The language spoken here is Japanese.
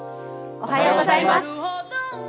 おはようございます。